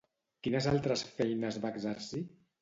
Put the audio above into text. Quines altres feines va exercir?